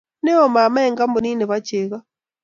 Ne o mama eng kampunit nebo chego